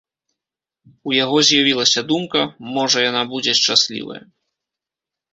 У яго з'явілася думка, можа яна будзе шчаслівая.